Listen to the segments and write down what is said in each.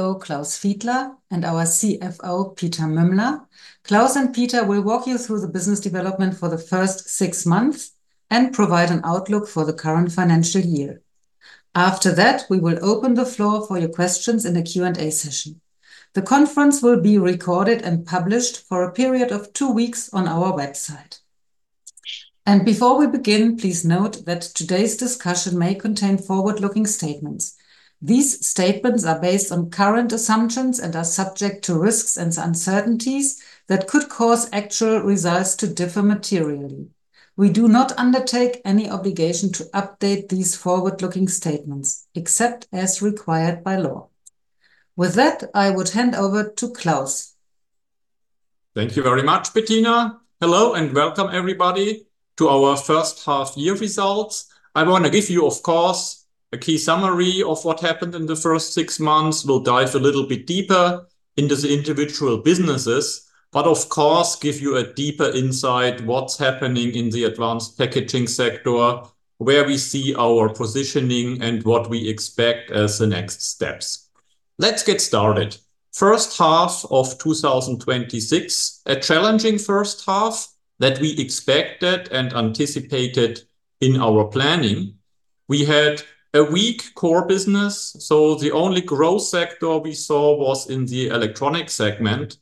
CEO Klaus Fiedler and our CFO Peter Mümmler. Klaus and Peter will walk you through the business development for the first six months and provide an outlook for the current financial year. After that, we will open the floor for your questions in the Q&A session. The conference will be recorded and published for a period of two weeks on our website. Before we begin, please note that today's discussion may contain forward-looking statements. These statements are based on current assumptions and are subject to risks and uncertainties that could cause actual results to differ materially. We do not undertake any obligation to update these forward-looking statements, except as required by law. With that, I would hand over to Klaus. Thank you very much, Bettina. Hello and welcome everybody to our first half year results. I want to give you, of course, a key summary of what happened in the first six months. We'll dive a little bit deeper into the individual businesses, but of course give you a deeper insight what's happening in the advanced packaging sector, where we see our positioning and what we expect as the next steps. Let's get started. First half of 2026, a challenging first half that we expected and anticipated in our planning. We had a weak core business, the only growth sector we saw was in the electronic segment.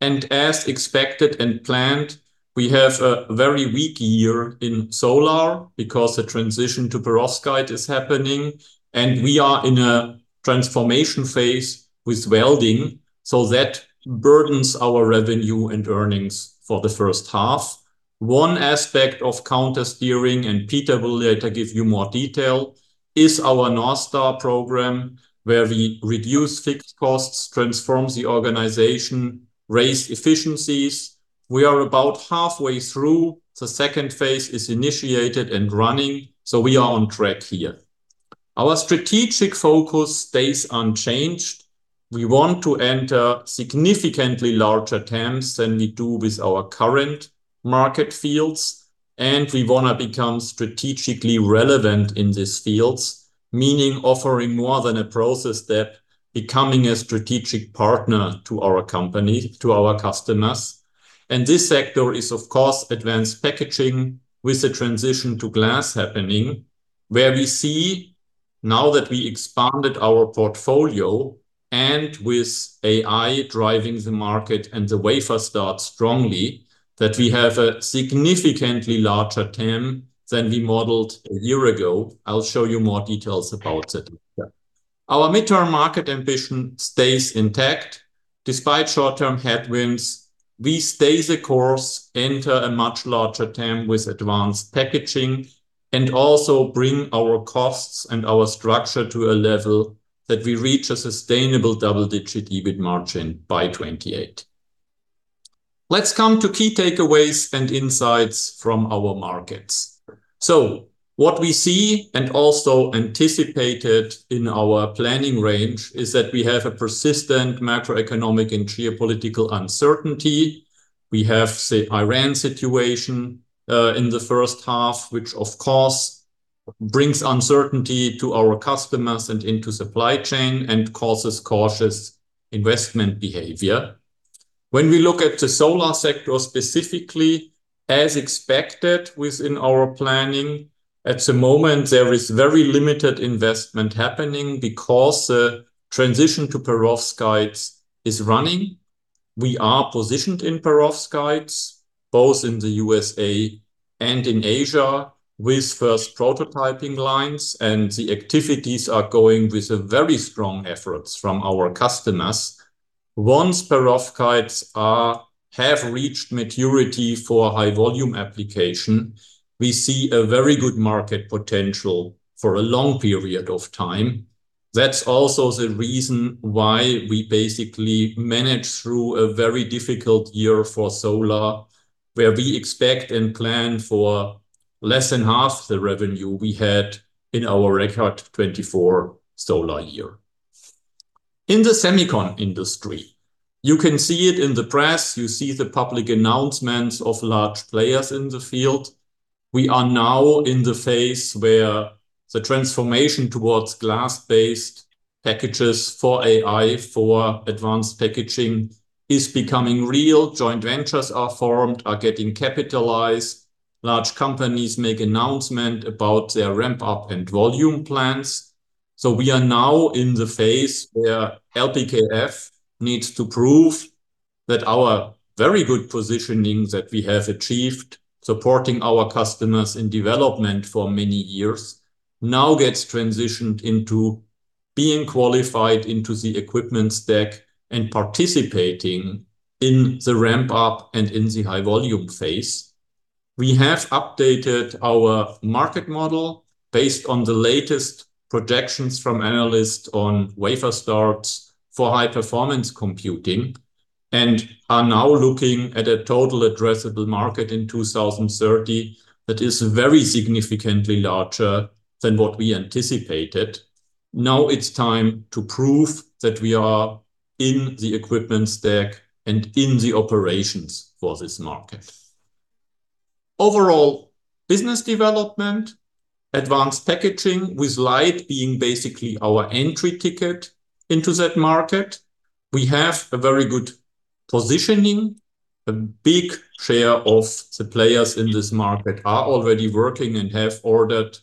As expected and planned, we have a very weak year in Solar because the transition to perovskite is happening, and we are in a transformation phase with welding, so that burdens our revenue and earnings for the first half. One aspect of counter-steering, Peter will later give you more detail, is our North Star program, where we reduce fixed costs, transform the organization, raise efficiencies. We are about halfway through. The second phase is initiated and running. We are on track here. Our strategic focus stays unchanged. We want to enter significantly larger TAMs than we do with our current market fields, and we want to become strategically relevant in these fields, meaning offering more than a process step, becoming a strategic partner to our customers. This sector is, of course, advanced packaging with the transition to glass happening, where we see now that we expanded our portfolio and with AI driving the market and the wafer starts strongly, that we have a significantly larger TAM than we modeled a year ago. I'll show you more details about that. Our midterm market ambition stays intact. Despite short-term headwinds, we stay the course, enter a much larger TAM with advanced packaging, and also bring our costs and our structure to a level that we reach a sustainable double-digit EBIT margin by 2028. Let's come to key takeaways and insights from our markets. What we see and also anticipated in our planning range is that we have a persistent macroeconomic and geopolitical uncertainty. We have the Iran situation in the first half, which of course brings uncertainty to our customers and into supply chain and causes cautious investment behavior. When we look at the Solar sector specifically, as expected within our planning, at the moment, there is very limited investment happening because the transition to perovskites is running. We are positioned in perovskites, both in the U.S.A. and in Asia, with first prototyping lines, and the activities are going with very strong efforts from our customers. Once perovskites have reached maturity for high-volume application, we see a very good market potential for a long period of time. That's also the reason why we basically manage through a very difficult year for Solar, where we expect and plan for less than half the revenue we had in our record 2024 Solar year. In the semicon industry, you can see it in the press, you see the public announcements of large players in the field. We are now in the phase where the transformation towards glass-based packages for AI, for advanced packaging is becoming real. Joint ventures are formed, are getting capitalized. Large companies make announcements about their ramp-up and volume plans. We are now in the phase where LPKF needs to prove that our very good positioning that we have achieved supporting our customers in development for many years now gets transitioned into being qualified into the equipment stack and participating in the ramp-up and in the high-volume phase. We have updated our market model based on the latest projections from analysts on wafer starts for high-performance computing and are now looking at a total addressable market in 2030 that is very significantly larger than what we anticipated. Now it's time to prove that we are in the equipment stack and in the operations for this market. Overall business development, advanced packaging with LIDE being basically our entry ticket into that market. We have a very good positioning. A big share of the players in this market are already working and have ordered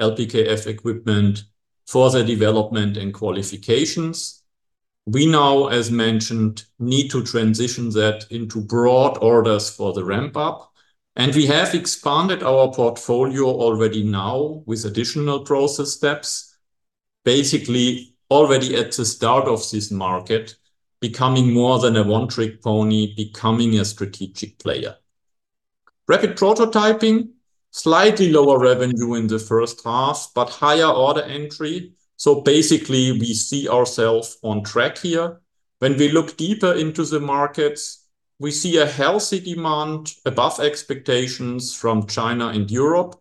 LPKF equipment for their development and qualifications. We now, as mentioned, need to transition that into broad orders for the ramp-up. We have expanded our portfolio already now with additional process steps, basically already at the start of this market, becoming more than a one-trick pony, becoming a strategic player. Rapid prototyping, slightly lower revenue in the first half, but higher order entry. We see ourselves on track here. When we look deeper into the markets, we see a healthy demand above expectations from China and Europe.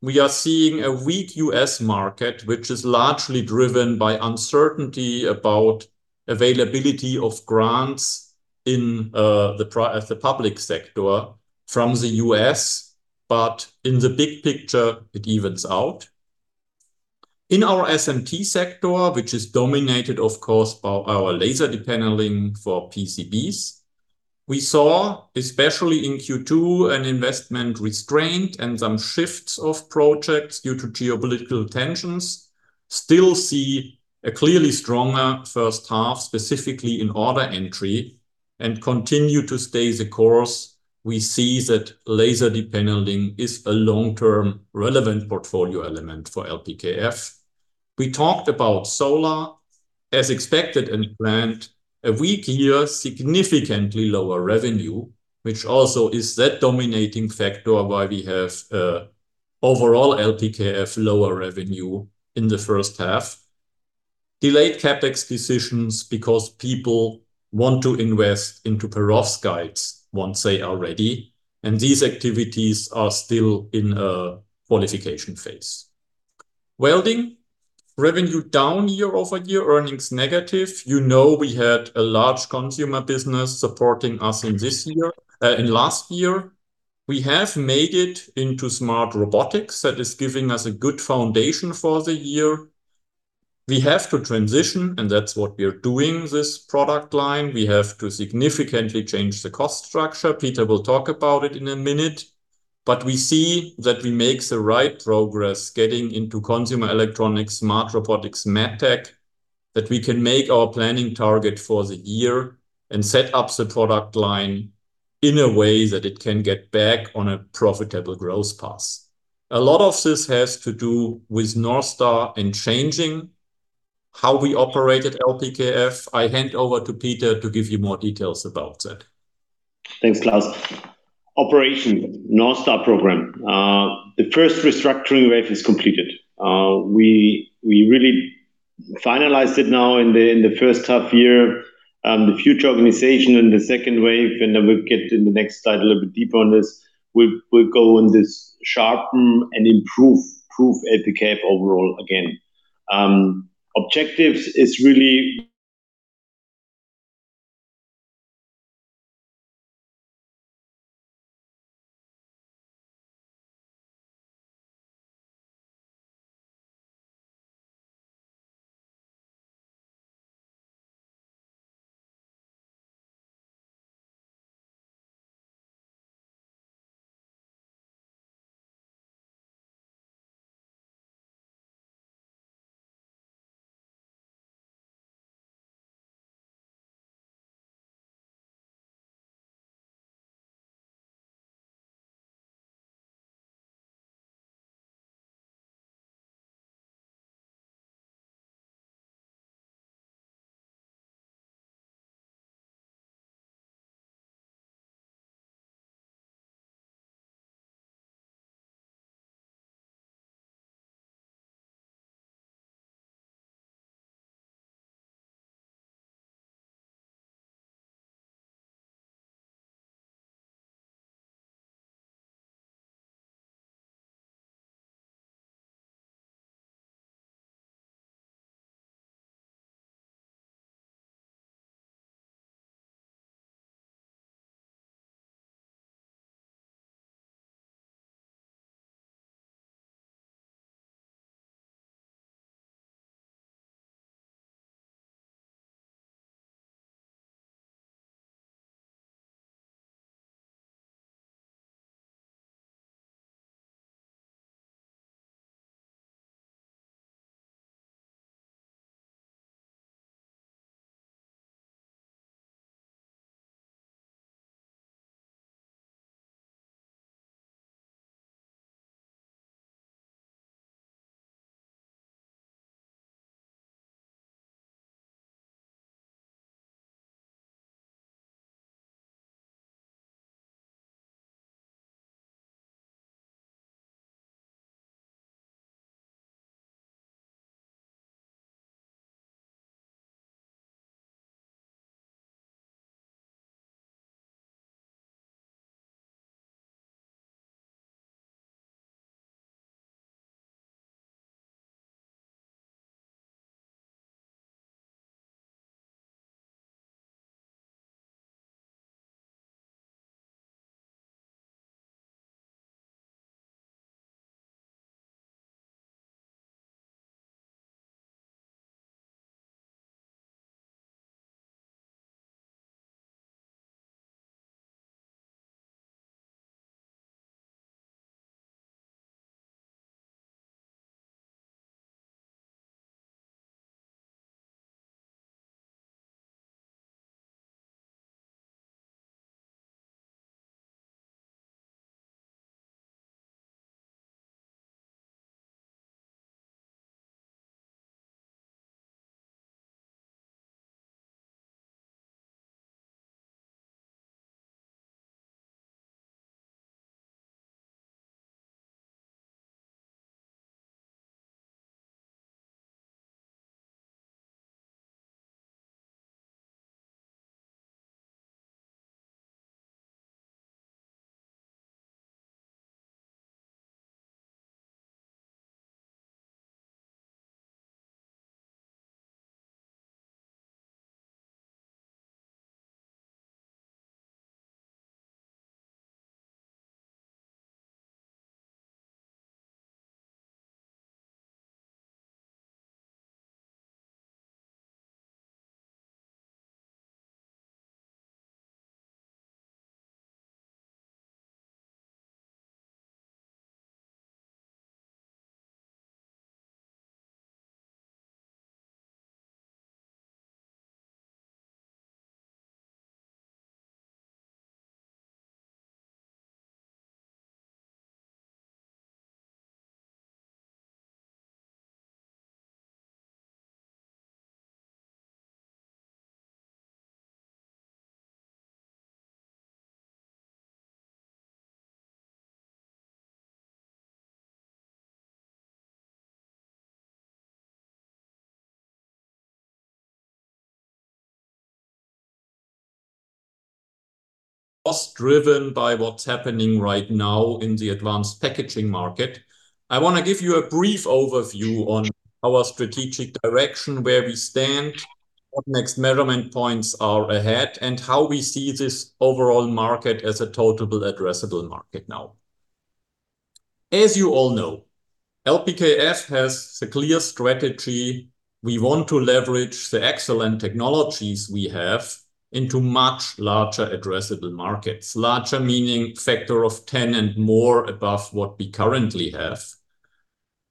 We are seeing a weak U.S. market, which is largely driven by uncertainty about availability of grants in the public sector from the U.S. In the big picture, it evens out. In our SMT sector, which is dominated, of course, by our laser depaneling for PCBs, we saw, especially in Q2, an investment restraint and some shifts of projects due to geopolitical tensions. Still see a clearly stronger first half, specifically in order entry, and continue to stay the course. We see that laser depaneling is a long-term relevant portfolio element for LPKF. We talked about Solar. As expected and planned, a weak year, significantly lower revenue, which also is that dominating factor why we have overall LPKF lower revenue in the first half. Delayed CapEx decisions because people want to invest into perovskites once they are ready, and these activities are still in a qualification phase. Welding, revenue down year-over-year, earnings negative. You know we had a large consumer business supporting us in last year. We have made it into smart robotics. That is giving us a good foundation for the year. We have to transition, and that's what we are doing, this product line. We have to significantly change the cost structure. Peter will talk about it in a minute. We see that we make the right progress getting into consumer electronics, smart robotics, MedTech, that we can make our planning target for the year and set up the product line in a way that it can get back on a profitable growth path. A lot of this has to do with North Star and changing how we operate at LPKF. I hand over to Peter to give you more details about that. Thanks, Klaus. Operation North Star program. The first restructuring wave is completed. We really finalized it now in the first half year. The future organization in the second wave, then we'll get in the next slide a little bit deeper on this. We'll go on this sharpen and improve LPKF overall again. Objectives is really- Was driven by what's happening right now in the advanced packaging market. I want to give you a brief overview on our strategic direction, where we stand, what next measurement points are ahead, and how we see this overall market as a total addressable market now. As you all know, LPKF has the clear strategy. We want to leverage the excellent technologies we have into much larger addressable markets. Larger meaning factor of 10 and more above what we currently have.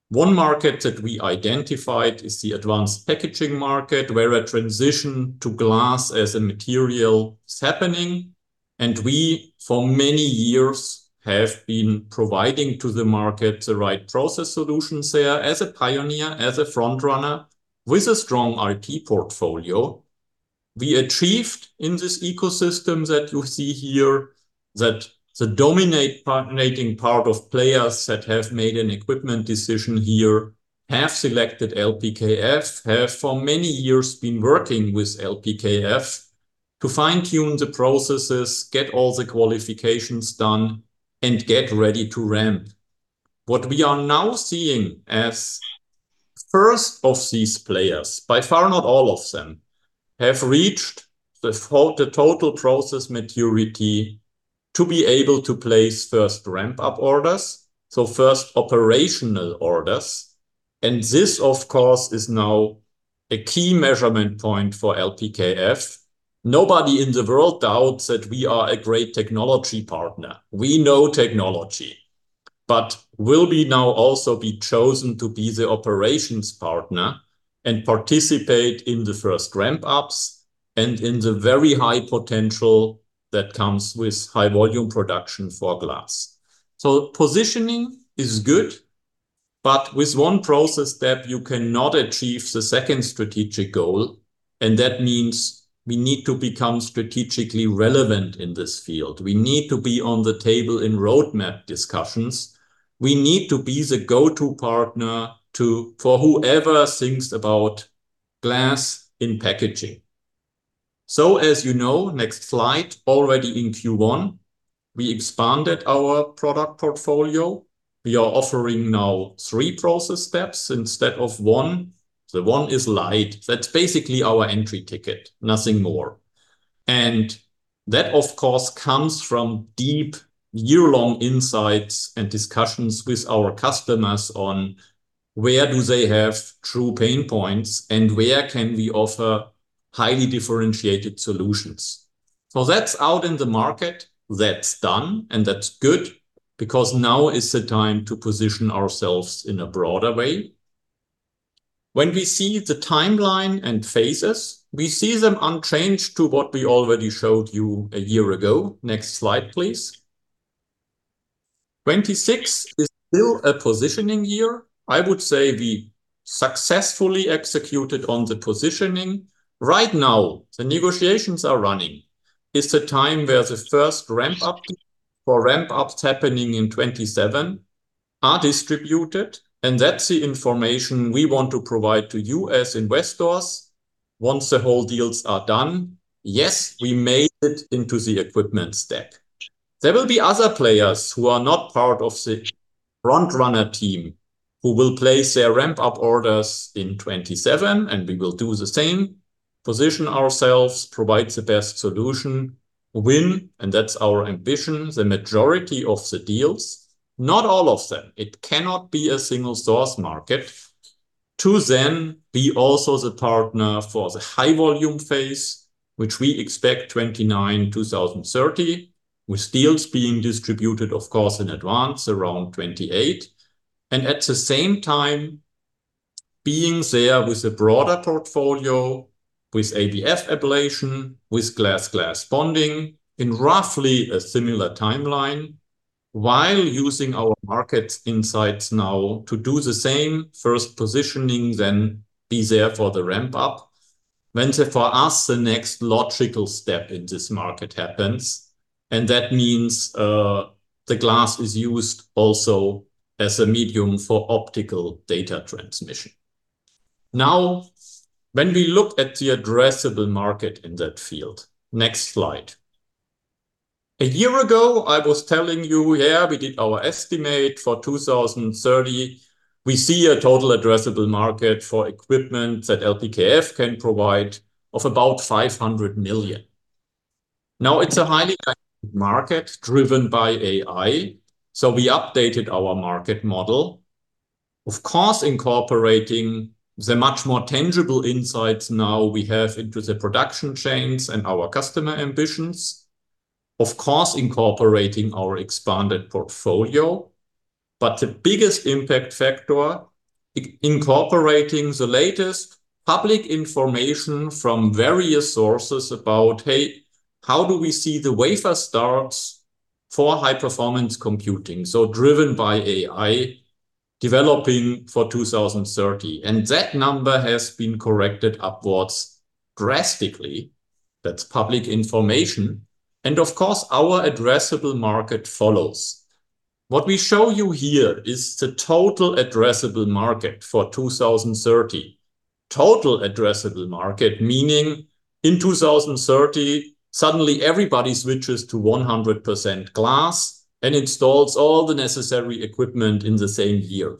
One market that we identified is the advanced packaging market, where a transition to glass as a material is happening, and we for many years have been providing to the market the right process solutions there as a pioneer, as a front-runner with a strong IP portfolio. We achieved in this ecosystem that you see here that the dominating part of players that have made an equipment decision here have selected LPKF, have for many years been working with LPKF to fine-tune the processes, get all the qualifications done, and get ready to ramp. What we are now seeing as first of these players, by far not all of them, have reached the total process maturity to be able to place first ramp-up orders, so first operational orders. This, of course, is now a key measurement point for LPKF. Nobody in the world doubts that we are a great technology partner. We know technology. Will we now also be chosen to be the operations partner and participate in the first ramp-ups and in the very high potential that comes with high-volume production for glass? Positioning is good, but with one process step, you cannot achieve the second strategic goal, and that means we need to become strategically relevant in this field. We need to be on the table in roadmap discussions. We need to be the go-to partner for whoever thinks about glass in packaging. As you know, next slide, already in Q1, we expanded our product portfolio. We are offering now three process steps instead of one. The one is LIDE. That's basically our entry ticket, nothing more. That, of course, comes from deep year-long insights and discussions with our customers on where do they have true pain points and where can we offer highly differentiated solutions. That's out in the market. That's done, and that's good because now is the time to position ourselves in a broader way. When we see the timeline and phases, we see them unchanged to what we already showed you a year ago. Next slide, please. 2026 is still a positioning year. I would say we successfully executed on the positioning. Right now, the negotiations are running. It's the time where the first ramp-up, for ramp-ups happening in 2027 are distributed, and that's the information we want to provide to you as investors once the whole deals are done. Yes, we made it into the equipment step. There will be other players who are not part of the front-runner team who will place their ramp-up orders in 2027, and we will do the same, position ourselves, provide the best solution, win, and that's our ambition, the majority of the deals. Not all of them. It cannot be a single source market. Then be also the partner for the high-volume phase, which we expect 2029, 2030, with deals being distributed, of course, in advance around 2028. At the same time, being there with a broader portfolio, with ABF ablation, with glass-glass bonding in roughly a similar timeline while using our market insights now to do the same, first positioning, then be there for the ramp-up. For us, the next logical step in this market happens, and that means the glass is used also as a medium for optical data transmission. When we look at the addressable market in that field. Next slide. A year ago, I was telling you here we did our estimate for 2030. We see a total addressable market for equipment that LPKF can provide of about 500 million. It's a highly active market driven by AI, so we updated our market model, of course, incorporating the much more tangible insights now we have into the production chains and our customer ambitions. Of course, incorporating our expanded portfolio. But the biggest impact factor, incorporating the latest public information from various sources about, hey, how do we see the wafer starts for high-performance computing, so driven by AI developing for 2030? That number has been corrected upwards drastically. That's public information, and of course, our addressable market follows. What we show you here is the total addressable market for 2030. Total addressable market, meaning in 2030, suddenly everybody switches to 100% glass and installs all the necessary equipment in the same year.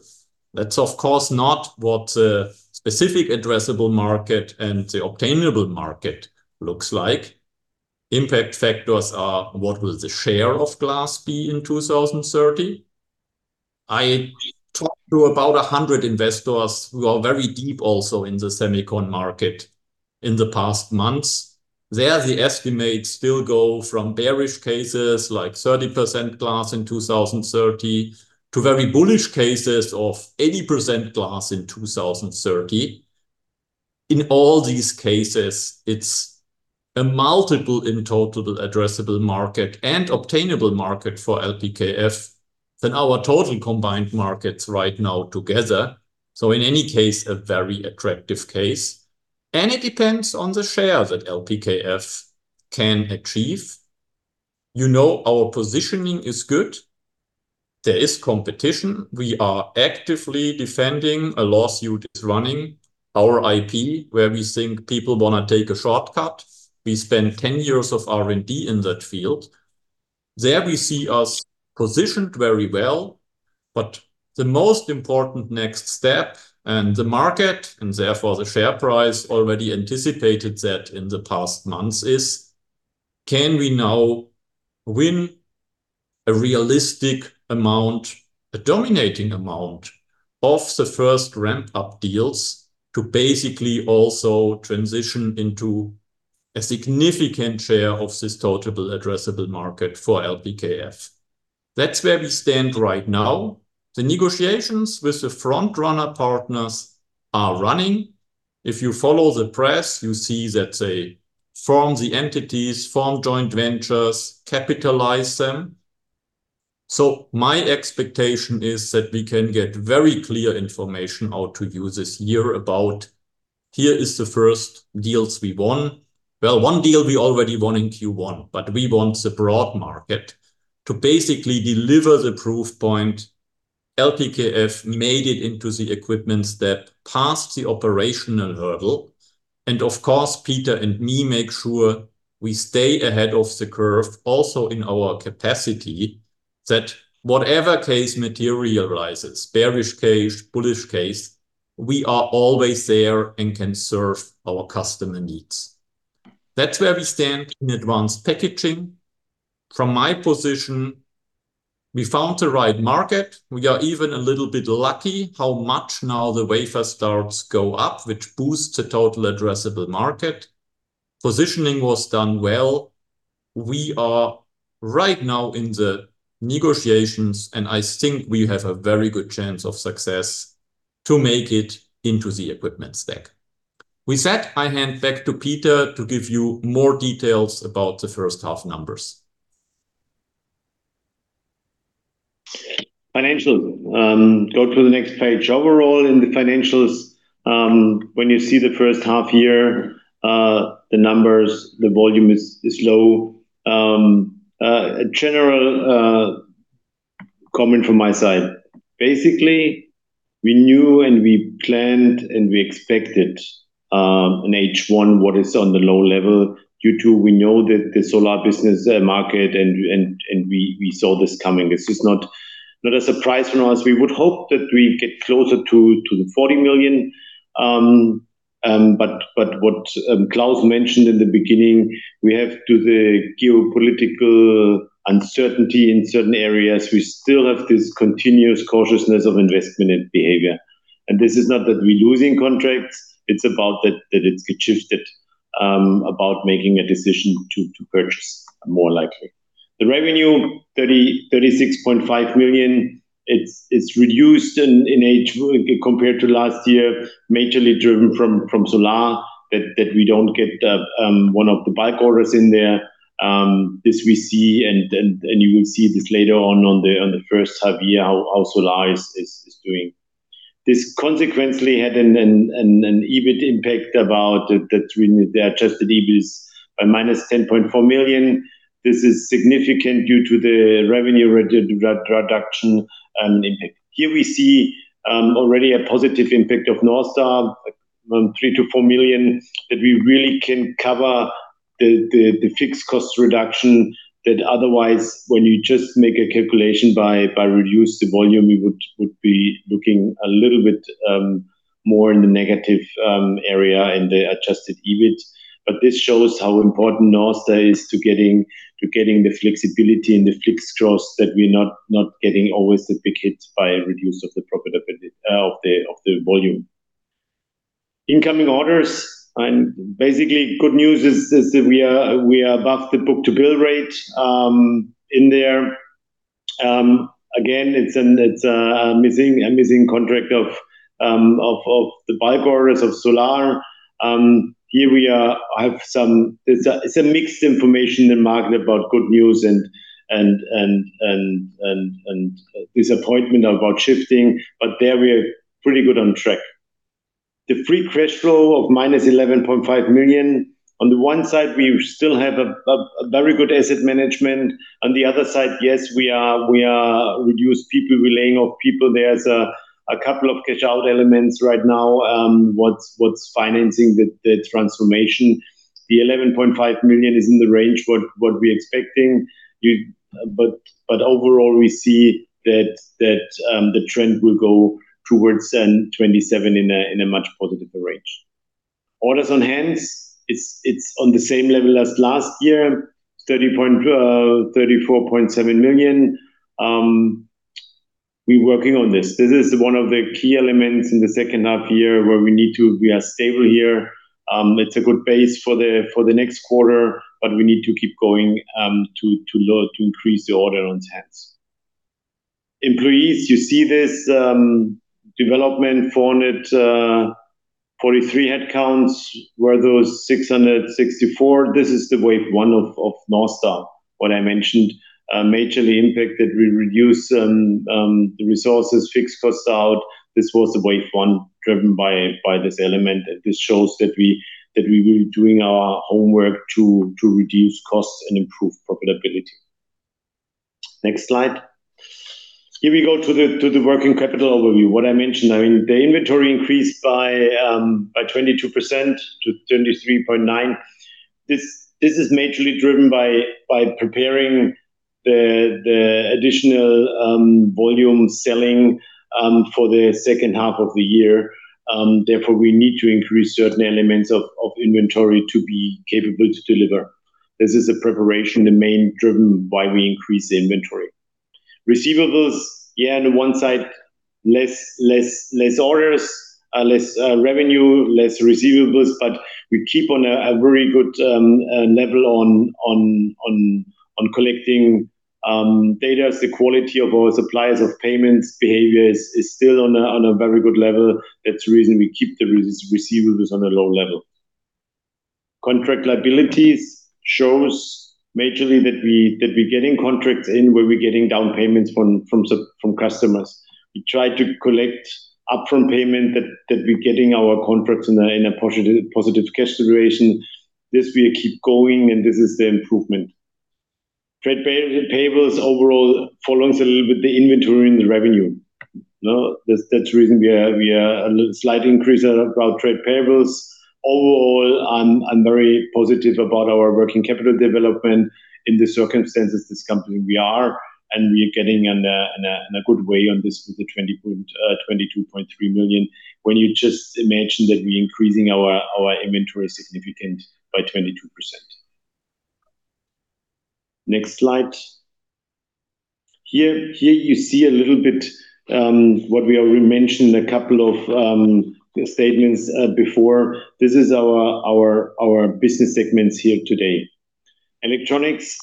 That's of course not what the specific addressable market and the obtainable market looks like. Impact factors are what will the share of glass be in 2030. I talked to about 100 investors who are very deep also in the semicon market in the past months. There, the estimates still go from bearish cases like 30% glass in 2030 to very bullish cases of 80% glass in 2030. In all these cases, it's a multiple in total addressable market and obtainable market for LPKF than our total combined markets right now together. In any case, a very attractive case, and it depends on the share that LPKF can achieve. You know our positioning is good. There is competition. We are actively defending. A lawsuit is running our IP, where we think people want to take a shortcut. We spent 10 years of R&D in that field. There we see us positioned very well. The most important next step, and the market, and therefore the share price already anticipated that in the past months is can we now win a realistic amount, a dominating amount of the first ramp-up deals to basically also transition into a significant share of this total addressable market for LPKF. That's where we stand right now. The negotiations with the front-runner partners are running. If you follow the press, you see that they form the entities, form joint ventures, capitalize them. My expectation is that we can get very clear information out to you this year about here is the first deals we won. Well, one deal we already won in Q1, we want the broad market to basically deliver the proof point LPKF made it into the equipment step past the operational hurdle. Of course, Peter and me make sure we stay ahead of the curve also in our capacity that whatever case materializes, bearish case, bullish case, we are always there and can serve our customer needs. That's where we stand in advanced packaging. From my position, we found the right market. We are even a little bit lucky how much now the wafer starts go up, which boosts the total addressable market. Positioning was done well. We are right now in the negotiations. I think we have a very good chance of success to make it into the equipment stack. With that, I hand back to Peter to give you more details about the first half numbers. Financial. Go to the next page. Overall, in the financials, when you see the first half year, the numbers, the volume is low. General comment from my side. Basically, we knew and we planned and we expected in H1 what is on the low level. Due to we know the Solar business market and we saw this coming. It's just not a surprise for us. We would hope that we get closer to EUR 40 million. What Klaus mentioned in the beginning, we have to the geopolitical uncertainty in certain areas, we still have this continuous cautiousness of investment and behavior. This is not that we're losing contracts, it's about that it's shifted, about making a decision to purchase more likely. The revenue, 36.5 million. It's reduced in age compared to last year, majorly driven from Solar, that we don't get one of the big orders in there. This we see and you will see this later on the first half year, how Solar is doing. This consequently had an EBIT impact about the adjusted EBIT is by -10.4 million. This is significant due to the revenue reduction impact. Here we see already a positive impact of North Star, 3 million-4 million, that we really can cover the fixed cost reduction that otherwise, when you just make a calculation by reduce the volume, we would be looking a little bit more in the negative area in the adjusted EBIT. This shows how important North Star is to getting the flexibility in the fixed costs that we're not getting always the big hit by reduce of the volume. Incoming orders, basically good news is that we are above the book-to-bill ratio in there. Again, it's a missing contract of the big orders of Solar. It's a mixed information in the market about good news and disappointment about shifting, there we are pretty good on track. The free cash flow of -11.5 million. On the one side, we still have a very good asset management. On the other side, yes, we reduce people, we laying off people. There's a couple of cash out elements right now, what's financing the transformation. The 11.5 million is in the range what we expecting. Overall, we see that the trend will go towards 2027 in a much positive range. Orders on hand, it's on the same level as last year, 34.7 million. We working on this. This is one of the key elements in the second half year where we need to be stable here. It's a good base for the next quarter, we need to keep going to increase the order on hand. Employees, you see this development, 443 headcounts, where those 664, this is the wave one of North Star. What I mentioned, majorly impacted, we reduce the resources, fixed costs out. This was the wave one driven by this element, this shows that we really doing our homework to reduce costs and improve profitability. Next slide. Here we go to the working capital overview. What I mentioned, the inventory increased by 22%-23.9%. This is majorly driven by preparing the additional volume selling for the second half of the year. Therefore, we need to increase certain elements of inventory to be capable to deliver. This is a preparation, the main driven why we increase the inventory. Receivables, on the one side, less orders, less revenue, less receivables, we keep on a very good level on collecting debt. The quality of our suppliers of payments behavior is still on a very good level. That's the reason we keep the receivables on a low level. Contract liabilities shows majorly that we getting contracts in where we're getting down payments from customers. We try to collect upfront payment that we're getting our contracts in a positive cash situation. This we keep going, this is the improvement. Trade payables overall follows a little bit the inventory and the revenue. That's the reason we are a slight increase of our trade payables. Overall, I'm very positive about our working capital development in the circumstances this company we are, we are getting in a good way on this with the 22.3 million. When you just imagine that we increasing our inventory significant by 22%. Next slide. Here you see a little bit, what we mentioned a couple of statements before. This is our business segments here today. Electronics.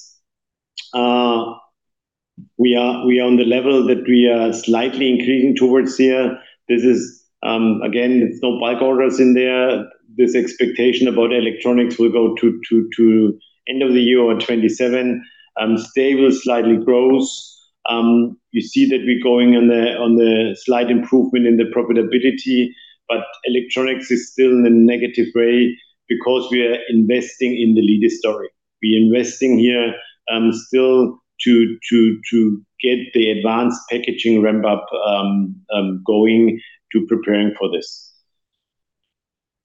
We are on the level that we are slightly increasing towards here. Again, it's no big orders in there. This expectation about electronics will go to end of the year or 2027. Stable, slightly gross. You see that we're going on the slight improvement in the profitability, but electronics is still in a negative way because we are investing in the LIDE story. We investing here still to get the advanced packaging ramp-up going to preparing for this.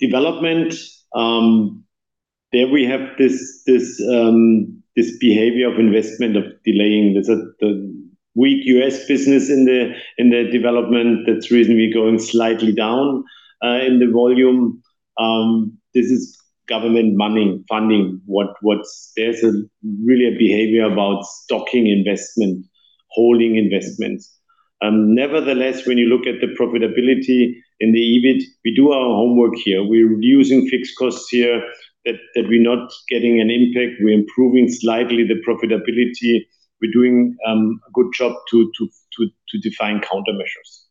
Development, there we have this behavior of investment, of delaying. There's the weak U.S. business in the development. That's the reason we're going slightly down in the volume. This is government funding. There's really a behavior about stocking investment, holding investment. Nevertheless, when you look at the profitability and the EBIT, we do our homework here. We're reducing fixed costs here, that we're not getting an impact. We're improving slightly the profitability. We're doing a good job to define countermeasures.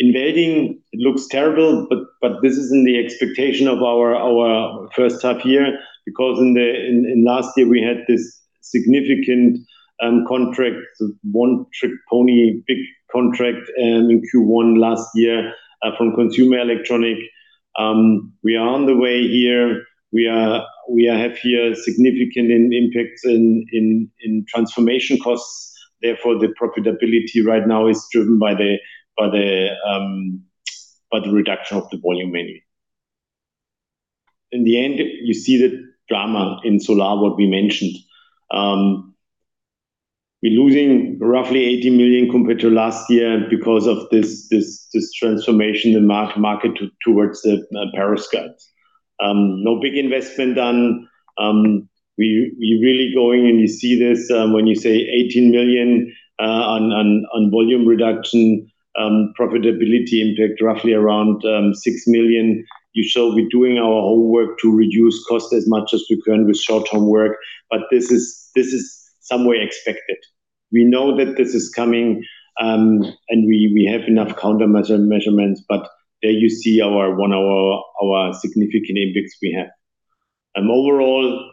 In welding, it looks terrible, but this is in the expectation of our first half year, because in last year, we had this significant contract, one-trick pony, big contract in Q1 last year from consumer electronic. We are on the way here. We have here significant impacts in transformation costs, therefore the profitability right now is driven by the reduction of the volume mainly. In the end, you see the drama in Solar, what we mentioned. We're losing roughly 18 million compared to last year because of this transformation, the market towards the perovskite. No big investment done. We're really going, you see this when you say 18 million on volume reduction, profitability impact roughly around 6 million. You saw we're doing our homework to reduce cost as much as we can with short-term work, but this is some way expected. We know that this is coming, we have enough counter measurements, but there you see our significant impacts we have. Overall,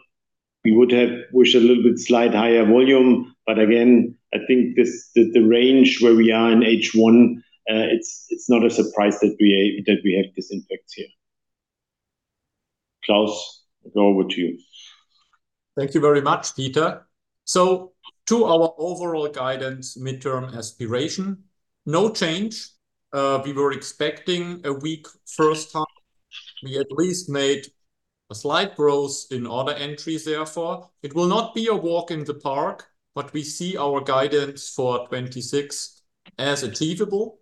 we would wish a little bit slight higher volume. Again, I think the range where we are in H1, it's not a surprise that we have this impact here. Klaus, over to you. Thank you very much, Peter. To our overall guidance, midterm aspiration, no change. We were expecting a weak first half. We at least made a slight growth in order entries, therefore. It will not be a walk in the park, but we see our guidance for 2026 as achievable,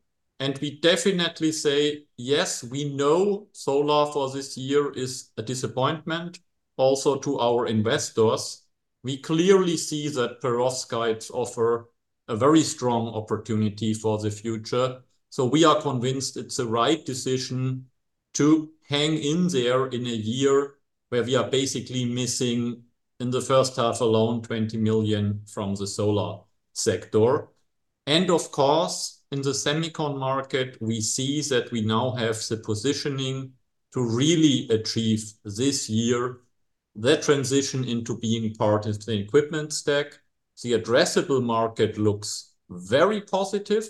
we definitely say, yes, we know Solar for this year is a disappointment also to our investors. We clearly see that perovskites offer a very strong opportunity for the future. We are convinced it's the right decision to hang in there in a year where we are basically missing, in the first half alone, 20 million from the Solar sector. Of course, in the semicon market, we see that we now have the positioning to really achieve this year that transition into being part of the equipment stack. The addressable market looks very positive.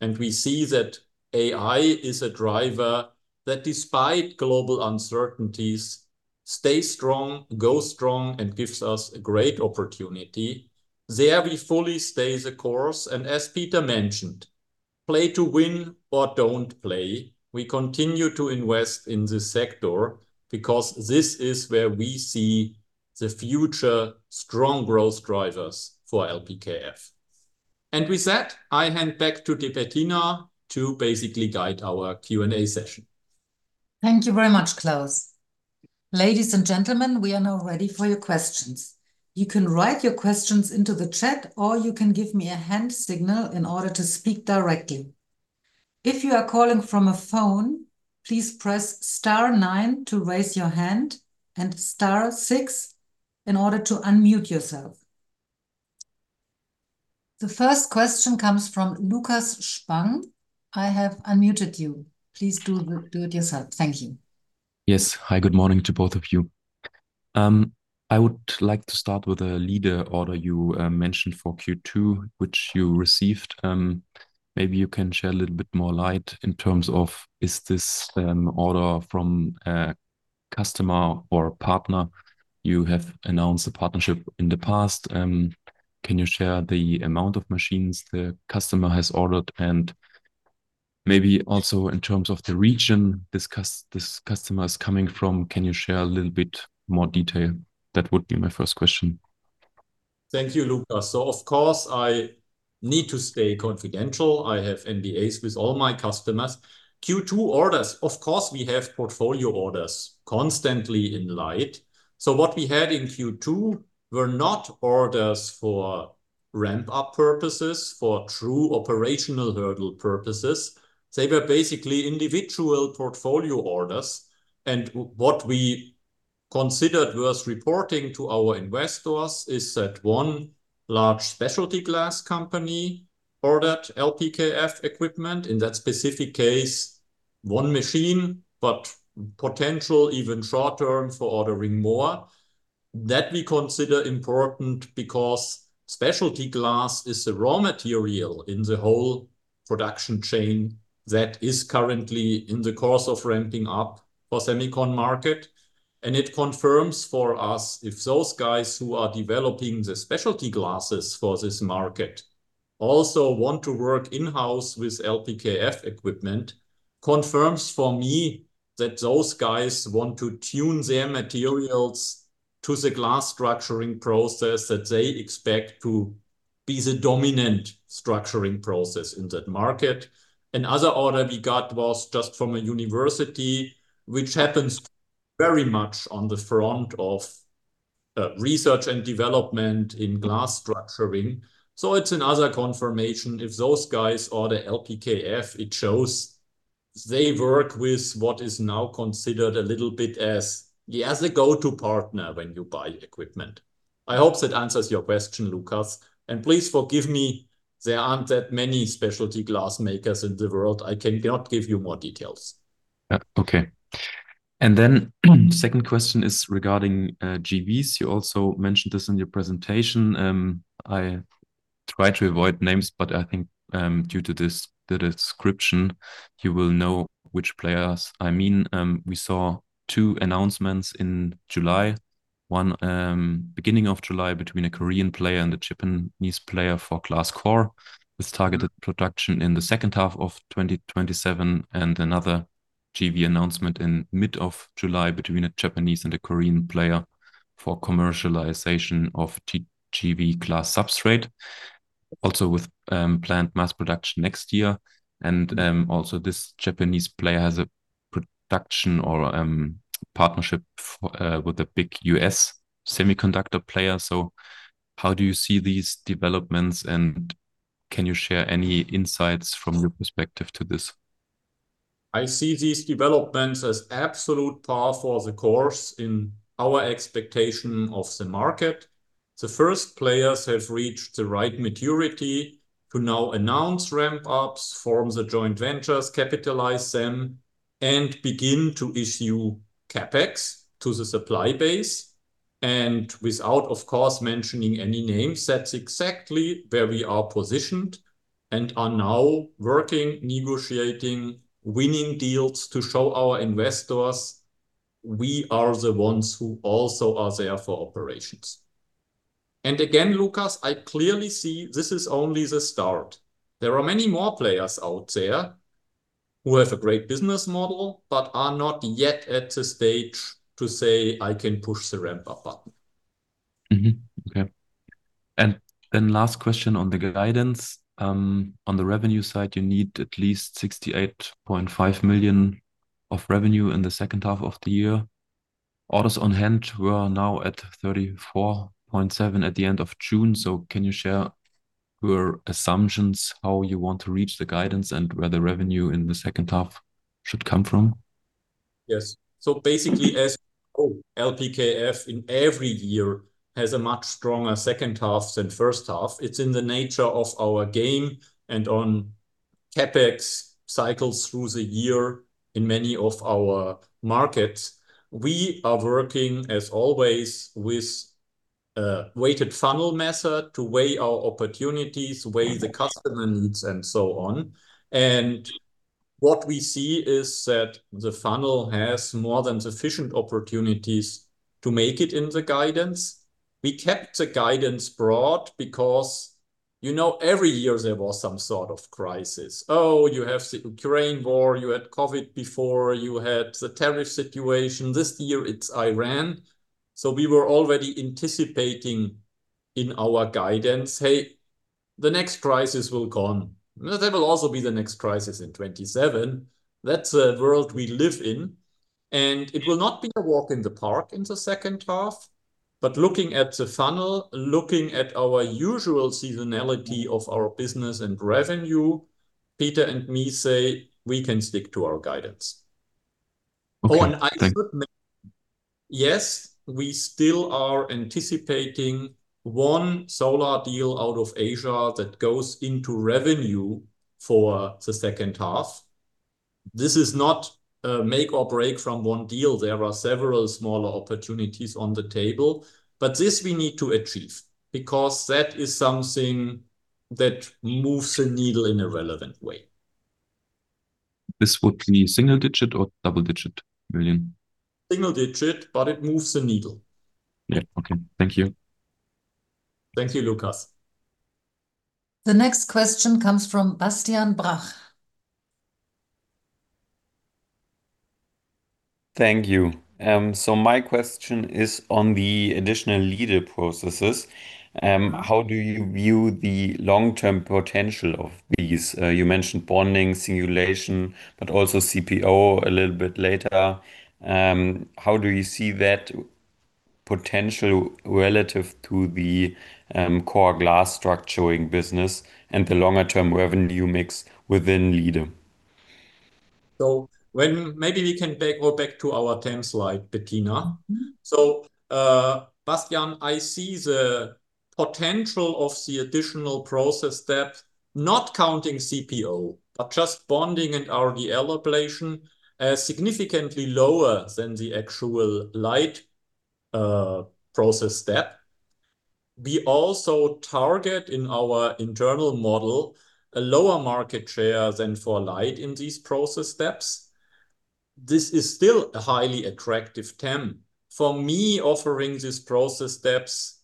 We see that AI is a driver that despite global uncertainties, stays strong, goes strong, and gives us a great opportunity. There we fully stay the course, and as Peter mentioned, play to win or don't play. We continue to invest in this sector because this is where we see the future strong growth drivers for LPKF. With that, I hand back to Bettina to basically guide our Q&A session. Thank you very much, Klaus. Ladies and gentlemen, we are now ready for your questions. You can write your questions into the chat, or you can give me a hand signal in order to speak directly. If you are calling from a phone, please press star nine to raise your hand and star six in order to unmute yourself. The first question comes from Lukas Spang. I have unmuted you. Please do it yourself. Thank you. Yes. Hi, good morning to both of you. I would like to start with a LIDE order you mentioned for Q2, which you received. Maybe you can share a little bit more light in terms of, is this an order from a customer or a partner? You have announced a partnership in the past. Can you share the amount of machines the customer has ordered? Maybe also in terms of the region this customer is coming from, can you share a little bit more detail? That would be my first question. Thank you, Lukas. Of course, I need to stay confidential. I have NDAs with all my customers. Q2 orders, of course, we have portfolio orders constantly in LIDE. What we had in Q2 were not orders for ramp-up purposes, for true operational hurdle purposes. They were basically individual portfolio orders. What we considered worth reporting to our investors is that one large specialty glass company ordered LPKF equipment, in that specific case, one machine, but potential even short-term for ordering more. That we consider important because specialty glass is the raw material in the whole production chain that is currently in the course of ramping up for semicon market. It confirms for us if those guys who are developing the specialty glasses for this market also want to work in-house with LPKF equipment, confirms for me that those guys want to tune their materials to the glass structuring process that they expect to be the dominant structuring process in that market. Another order we got was just from a university, which happens very much on the front of research and development in glass structuring. It's another confirmation. If those guys order LPKF, it shows they work with what is now considered a little bit as the go-to partner when you buy equipment. I hope that answers your question, Lukas. Please forgive me, there aren't that many specialty glass makers in the world. I cannot give you more details. Yeah. Okay. Second question is regarding GVs. You also mentioned this in your presentation. I try to avoid names, but I think, due to the description, you will know which players I mean. We saw two announcements in July, one beginning of July between a Korean player and a Japanese player for glass core with targeted production in the second half of 2027, and another GV announcement in middle of July between a Japanese and a Korean player for commercialization of TGV glass substrate, also with planned mass production next year. This Japanese player has a production or partnership with a big U.S. semiconductor player. How do you see these developments, and can you share any insights from your perspective to this? I see these developments as absolute par for the course in our expectation of the market. The first players have reached the right maturity to now announce ramp-ups from the joint ventures, capitalize them, and begin to issue CapEx to the supply base. Without, of course, mentioning any names, that's exactly where we are positioned and are now working, negotiating, winning deals to show our investors we are the ones who also are there for operations. Again, Lukas, I clearly see this is only the start. There are many more players out there who have a great business model but are not yet at the stage to say, "I can push the ramp-up button. Okay. Last question on the guidance. On the revenue side, you need at least 68.5 million of revenue in the second half of the year. Orders on hand were now at 34.7 million at the end of June. Can you share your assumptions, how you want to reach the guidance, and where the revenue in the second half should come from? Yes. Basically, as LPKF in every year has a much stronger second half than first half, it is in the nature of our game and on CapEx cycles through the year in many of our markets. We are working, as always, with a weighted funnel method to weigh our opportunities, weigh the customer needs, and so on. What we see is that the funnel has more than sufficient opportunities to make it in the guidance. We kept the guidance broad because every year there was some sort of crisis. You have the Ukraine war, you had COVID before, you had the tariff situation. This year it is Iran. We were already anticipating in our guidance, "Hey, the next crisis will gone." There will also be the next crisis in 2027. That is the world we live in. It will not be a walk in the park in the second half. Looking at the funnel, looking at our usual seasonality of our business and revenue, Peter and me say we can stick to our guidance. Okay. I should mention, yes, we still are anticipating one Solar deal out of Asia that goes into revenue for the second half. This is not a make or break from one deal. There are several smaller opportunities on the table, this we need to achieve because that is something that moves the needle in a relevant way. This would be single digit million or double digit million? Single digit. It moves the needle. Yeah. Okay. Thank you. Thank you, Lukas. The next question comes from Bastian Brach. Thank you. My question is on the additional LIDE processes. How do you view the long-term potential of these? You mentioned bonding, simulation, but also CPO a little bit later. How do you see that potential relative to the core glass structuring business and the longer-term revenue mix within LIDE? Maybe we can go back to our TAM slide, Bettina. Bastian, I see the potential of the additional process step, not counting CPO, but just bonding and RDL ablation as significantly lower than the actual LIDE process step. We also target in our internal model a lower market share than for LIDE in these process steps. This is still a highly attractive TAM. For me, offering these process steps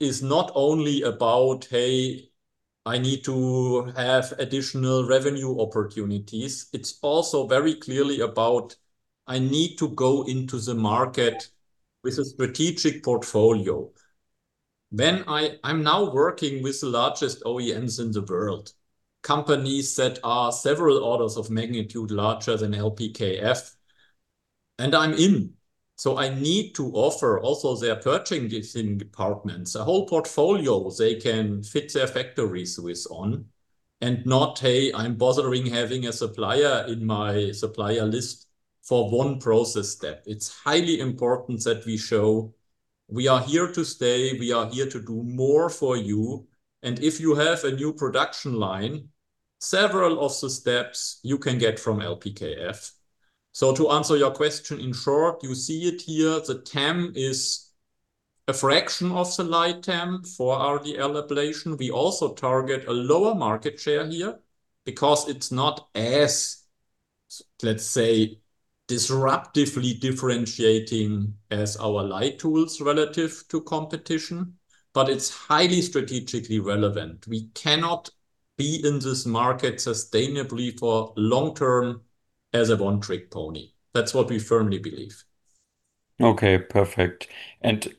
is not only about, hey, I need to have additional revenue opportunities. It's also very clearly about I need to go into the market with a strategic portfolio. I'm now working with the largest OEMs in the world, companies that are several orders of magnitude larger than LPKF, and I'm in. I need to offer also their purchasing departments a whole portfolio they can fit their factories with on, and not, hey, I'm bothering having a supplier in my supplier list for one process step. It's highly important that we show we are here to stay, we are here to do more for you, and if you have a new production line, several of the steps you can get from LPKF. To answer your question, in short, you see it here, the TAM is a fraction of the LIDE TAM for RDL ablation. We also target a lower market share here because it's not as, let's say, disruptively differentiating as our LIDE tools relative to competition, but it's highly strategically relevant. We cannot be in this market sustainably for long term as a one-trick pony. That's what we firmly believe. Okay, perfect.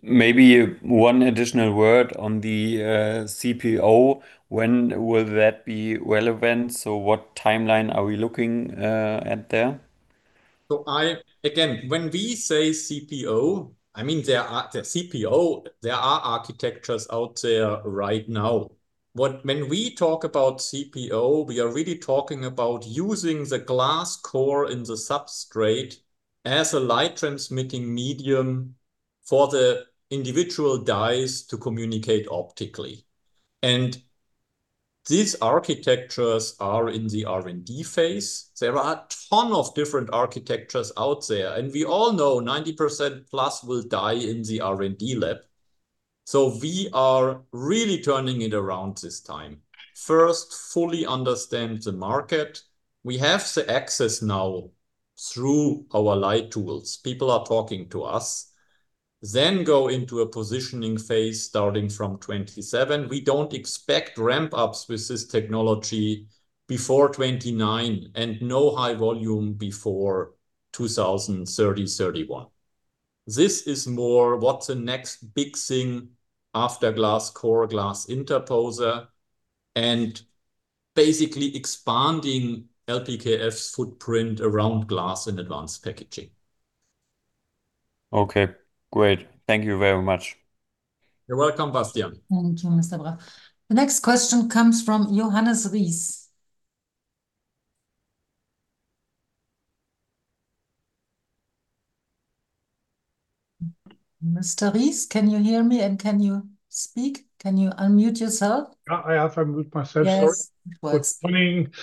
Maybe one additional word on the CPO. When will that be relevant? What timeline are we looking at there? Again, when we say CPO, I mean, there are architectures out there right now. When we talk about CPO, we are really talking about using the glass core in the substrate as a LIDE-transmitting medium for the individual dies to communicate optically. These architectures are in the R&D phase. There are a ton of different architectures out there, and we all know 90%+ will die in the R&D lab. We are really turning it around this time. First, fully understand the market. We have the access now through our LIDE tools. People are talking to us. Go into a positioning phase starting from 2027. We don't expect ramp-ups with this technology before 2029, and no high volume before 2030, 2031. This is more what's the next big thing after glass core, glass interposer, and basically expanding LPKF's footprint around glass and advanced packaging. Okay, great. Thank you very much. You're welcome, Bastian. Thank you, Mr. Brach. The next question comes from Johannes Ries. Mr. Ries, can you hear me and can you speak? Can you unmute yourself? Yeah, I have unmuted myself. Sorry. Yes. For coming.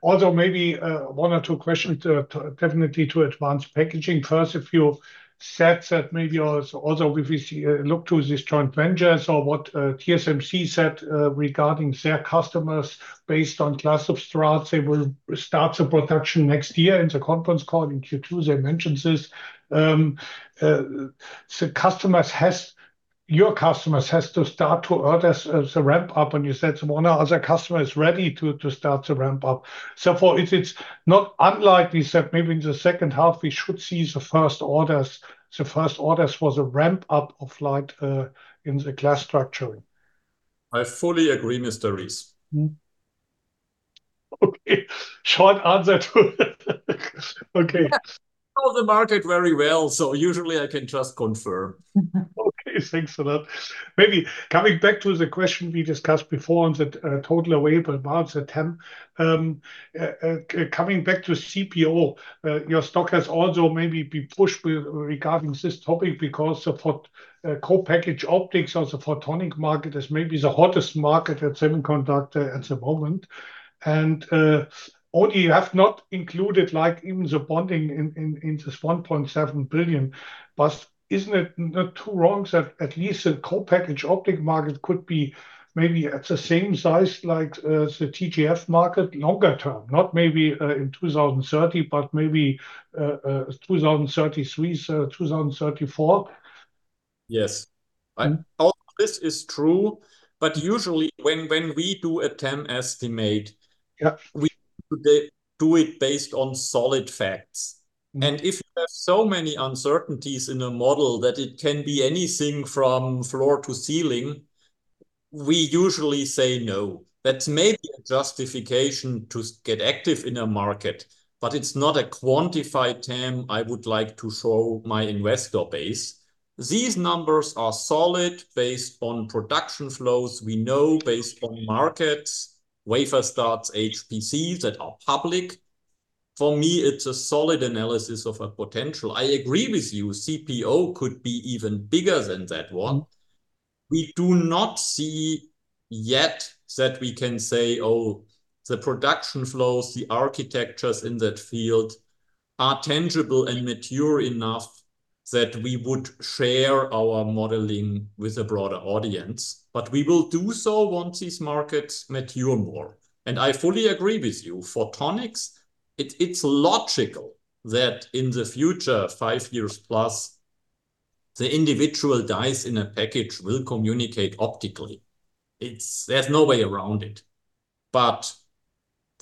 Although maybe one or two questions definitely to advanced packaging. First, if you said that maybe also if you look to this joint ventures or what TSMC said regarding their customers based on glass substrates, they will start the production next year in the conference call in Q2 they mentioned this. Your customers has to start to order the ramp up, and you said one or other customer is ready to start the ramp up. For it's not unlikely that maybe in the second half we should see the first orders for the ramp up of LIDE in the glass structuring. I fully agree, Mr. Ries. Okay. Short answer to it. Okay. I know the market very well. Usually I can just confirm. Okay, thanks a lot. Maybe coming back to the question we discussed before on the total available parts, the TAM. Coming back to CPO, your stock has also maybe been pushed regarding this topic because for co-packaged optics or the photonic market is maybe the hottest market at semiconductor at the moment, and only you have not included even the bonding in this 1.7 billion. Isn't it not too wrong that at least the co-packaged optic market could be maybe at the same size like the TGV market longer term? Not maybe in 2030. Maybe 2033, 2034? Yes. All this is true, usually when we do a TAM estimate, we do it based on solid facts. If you have so many uncertainties in a model that it can be anything from floor to ceiling, we usually say no. That's maybe a justification to get active in a market, but it's not a quantified TAM I would like to show my investor base. These numbers are solid based on production flows we know, based on markets, wafer starts, HPCs that are public. For me, it's a solid analysis of a potential. I agree with you, CPO could be even bigger than that one. We do not see yet that we can say, "Oh, the production flows, the architectures in that field are tangible and mature enough that we would share our modeling with a broader audience. We will do so once these markets mature more. I fully agree with you, photonics, it's logical that in the future, five years plus, the individual dies in a package will communicate optically. There's no way around it.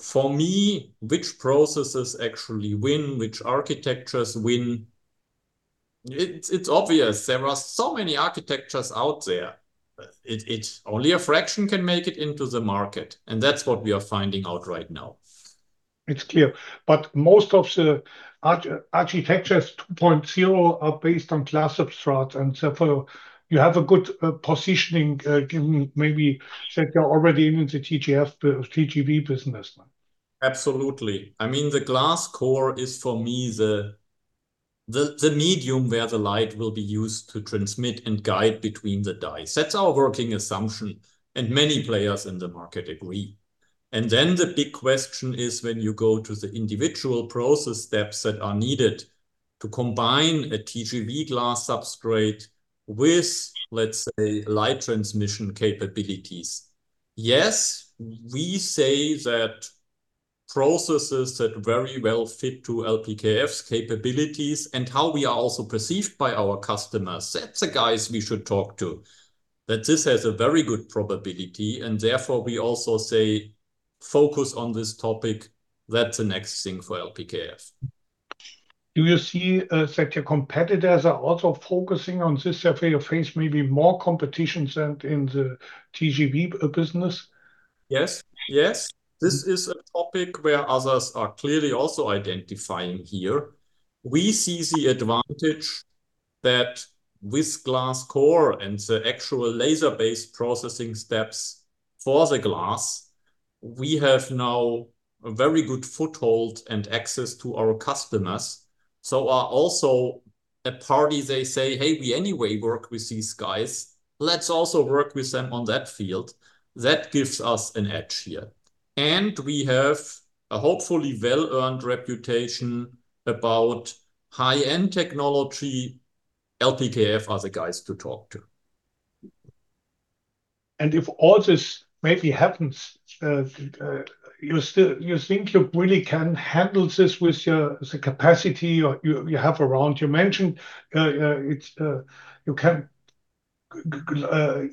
For me, which processes actually win, which architectures win, it's obvious. There are so many architectures out there. Only a fraction can make it into the market, and that's what we are finding out right now. It's clear. Most of the architectures 2.0 are based on glass substrates. You have a good positioning given maybe that you're already in the TGV business. Absolutely. The glass core is, for me, the medium where the LIDE will be used to transmit and guide between the dies. That's our working assumption, and many players in the market agree. The big question is when you go to the individual process steps that are needed to combine a TGV glass substrate with, let's say, LIDE transmission capabilities. We say that processes that very well fit to LPKF's capabilities and how we are also perceived by our customers, that's the guys we should talk to. This has a very good probability, and therefore we also say focus on this topic. The next thing for LPKF. Do you see that your competitors are also focusing on this, therefore you face maybe more competition than in the TGV business? This is a topic where others are clearly also identifying here. We see the advantage that with glass core and the actual laser-based processing steps for the glass, we have now a very good foothold and access to our customers. Are also a party they say, "Hey, we anyway work with these guys. Let's also work with them on that field." That gives us an edge here. We have a hopefully well-earned reputation about high-end technology. LPKF are the guys to talk to. If all this maybe happens, you think you really can handle this with the capacity you have around. You mentioned you can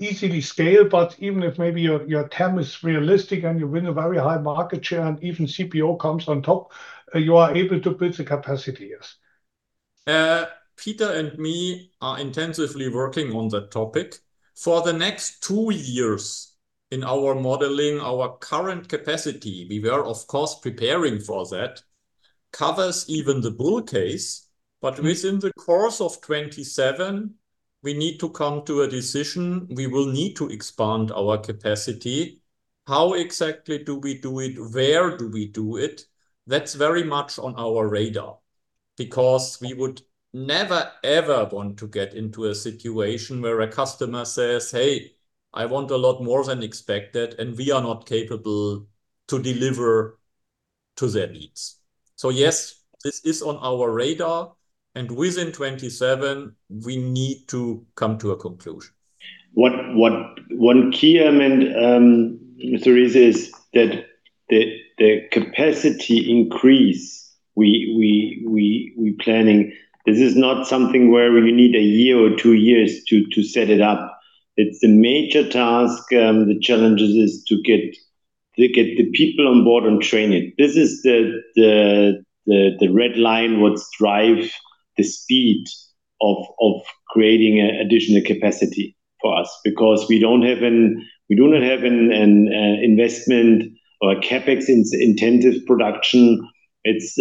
easily scale, even if maybe your TAM is realistic and you win a very high market share, and even CPO comes on top, you are able to build the capacity, yes? Peter and me are intensively working on that topic. For the next two years in our modeling, our current capacity, we were of course preparing for that, covers even the bull case. Within the course of 2027, we need to come to a decision. We will need to expand our capacity. How exactly do we do it? Where do we do it? That's very much on our radar, because we would never, ever want to get into a situation where a customer says, "Hey, I want a lot more than expected," and we are not capable to deliver to their needs. Yes, this is on our radar, and within 2027, we need to come to a conclusion. One key element, there is, that the capacity increase we planning, this is not something where we need a year or two years to set it up. It's a major task. The challenge is to get the people on board and train it. This is the red line what drive the speed of creating additional capacity for us because we do not have an investment or a CapEx-intensive production. It's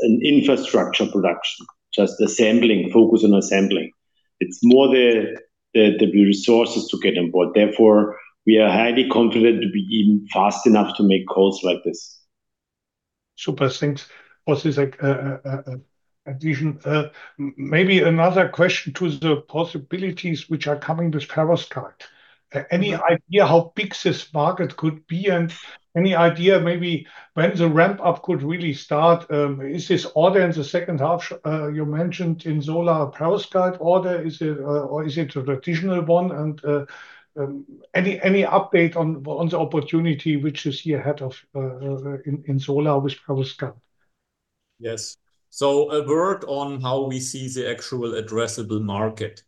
an infrastructure production, just assembling, focus on assembling. It's more the resources to get on board. We are highly confident to be even fast enough to make calls like this. Super. Thanks. Is like addition. Maybe another question to the possibilities which are coming with perovskite. Any idea how big this market could be, and any idea maybe when the ramp-up could really start? Is this order in the second half you mentioned in Solar perovskite order, or is it a traditional one? Any update on the opportunity which you see ahead of in Solar with perovskite? Yes. A word on how we see the actual addressable market.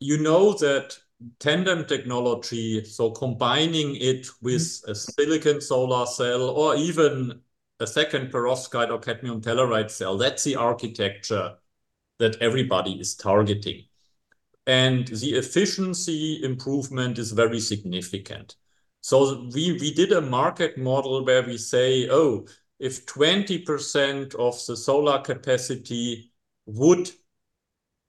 You know that tandem technology, combining it with a silicon Solar cell or even a second perovskite or cadmium telluride cell, that's the architecture that everybody is targeting. The efficiency improvement is very significant. We did a market model where we say, if 20% of the Solar capacity would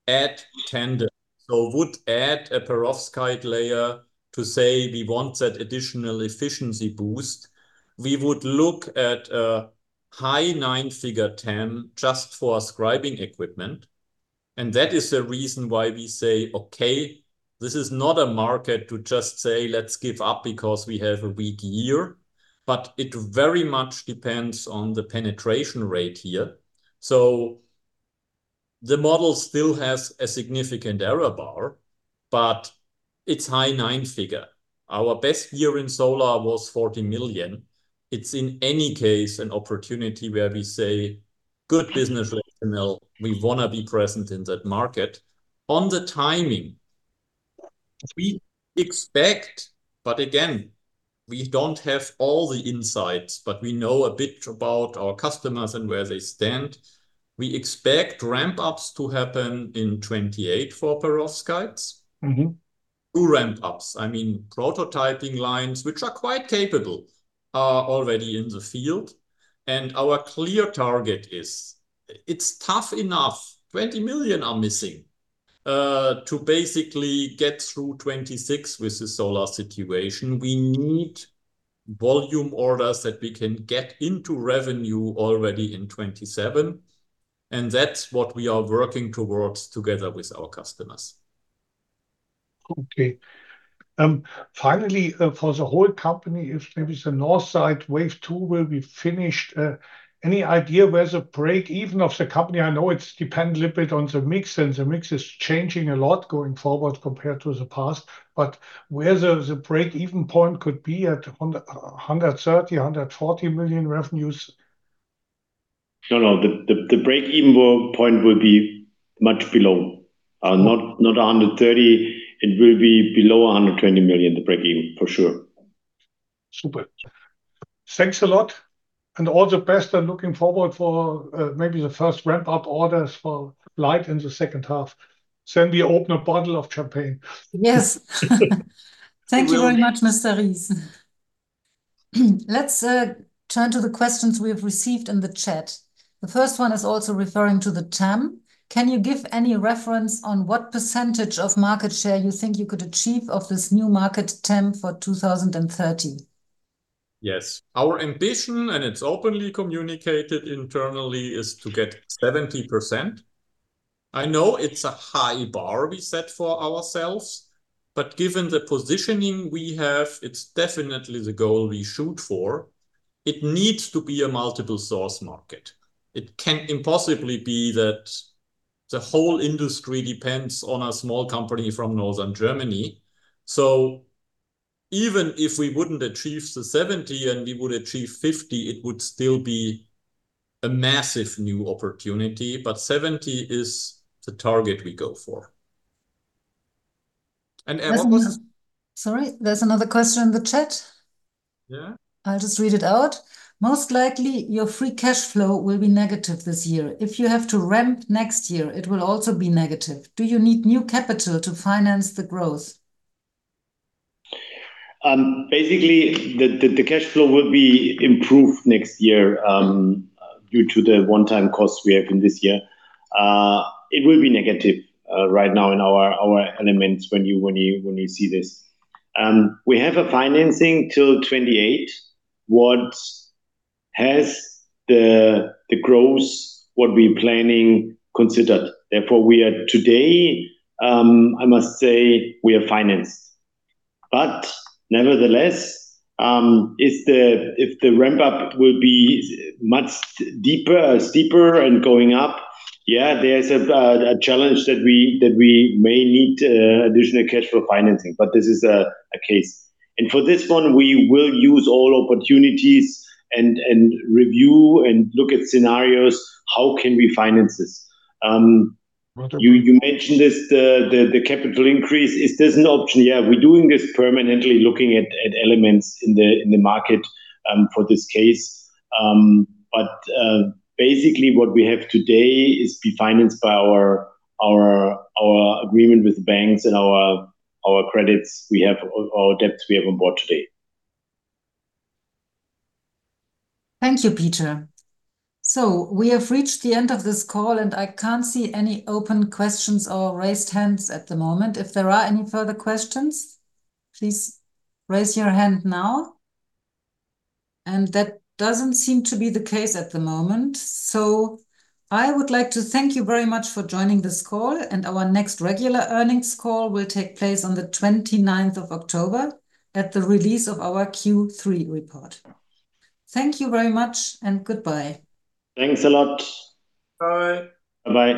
add tandem, would add a perovskite layer to say we want that additional efficiency boost, we would look at a high nine, figure 10 just for scribing equipment. That is the reason why we say, this is not a market to just say, let's give up because we have a weak year, but it very much depends on the penetration rate here. The model still has a significant error bar, but it's high nine figure. Our best year in Solar was 40 million. It's in any case, an opportunity where we say, good business rationale, we want to be present in that market. On the timing, we expect, but again, we don't have all the insights, but we know a bit about our customers and where they stand. We expect ramp-ups to happen in 2028 for perovskites. Two ramp-ups, I mean, prototyping lines, which are quite capable, are already in the field. Our clear target is, it's tough enough, 20 million are missing. To basically get through 2026 with the Solar situation, we need volume orders that we can get into revenue already in 2027, that's what we are working towards together with our customers. Finally, for the whole company, if maybe the North Star Wave 2 will be finished, any idea where the break even of the company? I know it depends a little bit on the mix, the mix is changing a lot going forward compared to the past, where the break-even point could be at 130 million-140 million revenues? No, no. The break-even point will be much below. Not 130 million. It will be below 120 million, the break even, for sure. Super. Thanks a lot. All the best, I'm looking forward for maybe the first ramp-up orders for LIDE in the second half. We open a bottle of champagne. Yes. Thank you very much, Mr. Ries. Let's turn to the questions we have received in the chat. The first one is also referring to the TAM. Can you give any reference on what percentage of market share you think you could achieve of this new market TAM for 2030? Yes. Our ambition, it's openly communicated internally, is to get 70%. I know it's a high bar we set for ourselves. Given the positioning we have, it's definitely the goal we shoot for. It needs to be a multiple source market. It can impossibly be that the whole industry depends on a small company from Northern Germany. Even if we wouldn't achieve the 70% and we would achieve 50%, it would still be a massive new opportunity. 70% is the target we go for. Sorry, there's another question in the chat. Yeah. I'll just read it out. Most likely your free cash flow will be negative this year. If you have to ramp next year, it will also be negative. Do you need new capital to finance the growth? Basically, the cash flow will be improved next year, due to the one-time costs we have in this year. It will be negative right now in our elements when you see this. We have a financing till 2028. What has the growth, what we planning considered. We are today, I must say we are financed. Nevertheless, if the ramp-up will be much steeper and going up, yeah, there's a challenge that we may need additional cash for financing. This is a case. For this one, we will use all opportunities and review and look at scenarios, how can we finance this? You mentioned this, the capital increase. Is this an option? Yeah. We're doing this permanently, looking at elements in the market, for this case. Basically what we have today is be financed by our agreement with banks and our credits. We have our debts we have on board today. Thank you, Peter. We have reached the end of this call, and I can't see any open questions or raised hands at the moment. If there are any further questions, please raise your hand now. That doesn't seem to be the case at the moment. I would like to thank you very much for joining this call, and our next regular earnings call will take place on the 29th of October at the release of our Q3 report. Thank you very much, and goodbye. Thanks a lot. Bye. Bye-bye